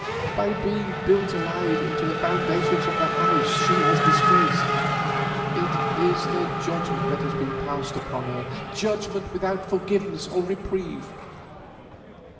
by being built alive into the foundations of the house she has disgraced. It is the judgment that has been passed upon her, judgment without forgiveness or reprieve.